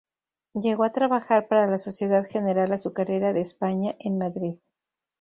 Llegó a trabajar para la Sociedad General Azucarera de España en Madrid.